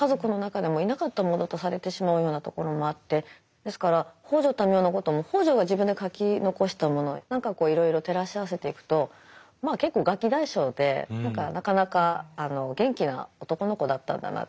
ですから北條民雄のことも北條が自分で書き残したものなんかをいろいろ照らし合わせていくとまあ結構ガキ大将でなかなか元気な男の子だったんだなって。